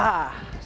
ah salah satu